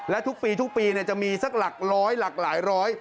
และทุกปีทุกปีจะมีสักหลักร้อยหลากหลายร้อย